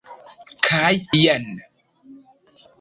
Kaj jen!